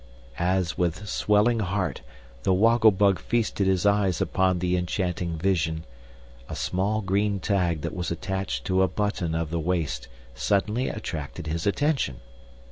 As, with swelling heart, the Woggle Bug feasted his eyes upon the enchanting vision, a small green tag that was attached to a button of the waist suddenly attracted his attention.